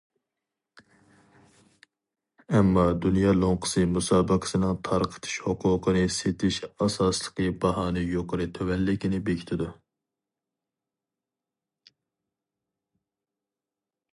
ئەمما دۇنيا لوڭقىسى مۇسابىقىسىنىڭ تارقىتىش ھوقۇقىنى سېتىش ئاساسلىقى باھانى يۇقىرى تۆۋەنلىكىنى بېكىتىدۇ.